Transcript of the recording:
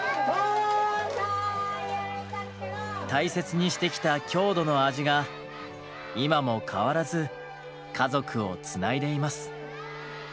大切にしてきた郷土の味が今も変わらず家族をつないでいます。